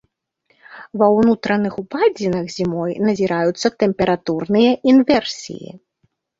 Ва ўнутраных упадзінах зімой назіраюцца тэмпературныя інверсіі.